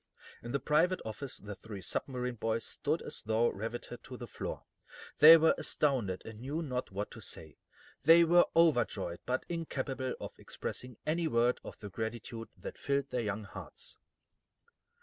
In the private office the three submarine boys stood as though riveted to the floor. They were astounded, and knew not what to say. They were overjoyed, but incapable of expressing any word of the gratitude that filled their young hearts.